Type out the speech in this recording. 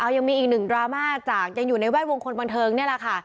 ยังมีอีกหนึ่งดราม่าจากยังอยู่ในแวดวงคนบันเทิงนี่แหละค่ะ